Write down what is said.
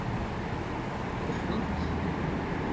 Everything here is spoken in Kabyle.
Kuferrant?